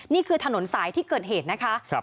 นี่คือถนนสายที่เกิดเหตุนะคะ